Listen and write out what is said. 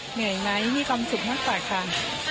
เหนื่อยไหมมีความสุขมากกว่าค่ะ